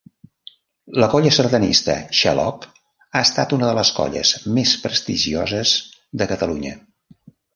La Colla sardanista Xaloc ha estat una de les colles més prestigioses de Catalunya.